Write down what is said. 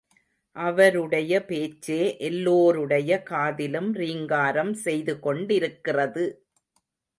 அவருடையபேச்சே எல்லோருடைய காதிலும் ரீங்காரம் செய்து கொண்டிருக்கிறது.